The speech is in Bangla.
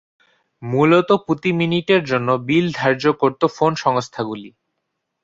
মূলত, প্রতি মিনিটের জন্য বিল ধার্য করত ফোন সংস্থাগুলি।